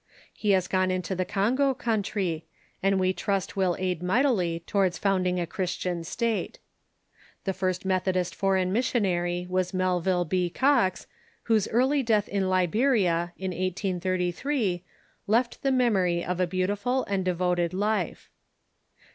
He has gone into the Congo countr}^, and we trust will aid mightily towards founding a Christian state. The first Meth odist foreign missionary was Melville B. Cox, whose early death in Liberia, in 1833, left the memory of a beautiful and devoted life.